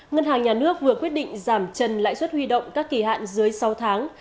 ngân hàng nhà nước vừa quyết định giảm trần lãi suất huy động các kỳ hạn dưới sáu tháng